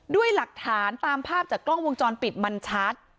ด้วยหลักฐานตามภาพจากกล้องวงจรปิดมันชัด